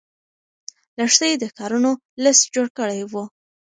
لښتې د کارونو لست جوړ کړی و.